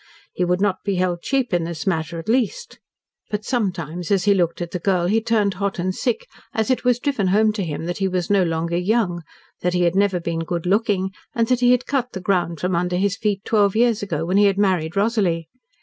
He would not be held cheap in this matter, at least. But sometimes, as he looked at the girl he turned hot and sick, as it was driven home to him that he was no longer young, that he had never been good looking, and that he had cut the ground from under his feet twelve years ago, when he had married Rosalie!